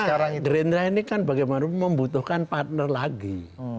karena gerindra ini kan bagaimana membutuhkan partner lagi